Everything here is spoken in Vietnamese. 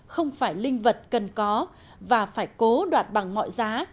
không phải linh vật cần có và phải cố đoạt bằng mọi giá